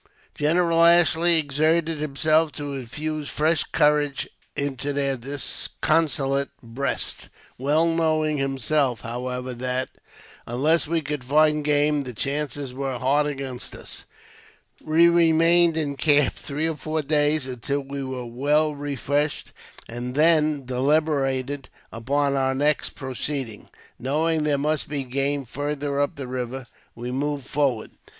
General Ashley exerted himself to infuse fresh courage into their disconsolate breasts, well knowing himself ,. however, that, unless we could find game, the chances were hard against us. We remained in camp three or four days, until we were well' refreshed, and then deliberated upon our next proceeding Knowing there must be game farther up the river, we moved forward.